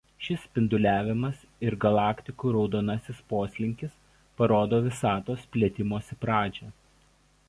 Šis spinduliavimas ir galaktikų raudonasis poslinkis parodo Visatos plėtimosi pradžią.